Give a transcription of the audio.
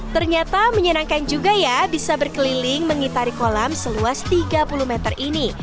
ternyata menyenangkan juga ya bisa berkeliling mengitari kolam seluas tiga puluh meter ini